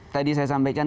tadi saya sampaikan